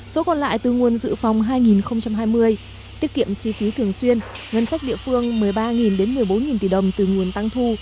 số còn lại từ nguồn dự phòng hai nghìn hai mươi tiết kiệm chi phí thường xuyên ngân sách địa phương một mươi ba một mươi bốn tỷ đồng từ nguồn tăng thu